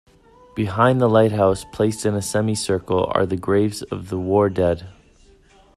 Behind the lighthouse, placed in a semicircle, are the graves of the war dead.